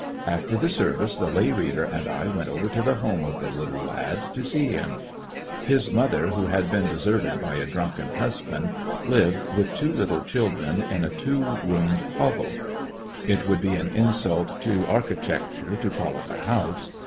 After the service the lay reader and I went over to the home of the little lad to see him. His mother, who had been deserted by a drunken husband, lived, with two little children, in a 104 'Missionary m i§e Great West two roomed hovel— it wouM be an insult to architecture to call it a hotise.